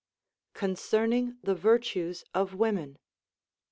CONCERNING THE VIRTUES OF ΛΛΌΜΕΝ.